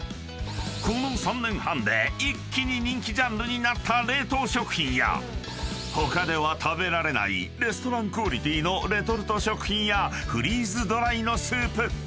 ［この３年半で一気に人気ジャンルになった冷凍食品や他では食べられないレストランクオリティーのレトルト食品やフリーズドライのスープ］